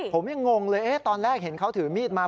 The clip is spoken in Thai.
ผมยังงงเลยตอนแรกเห็นเขาถือมีดมา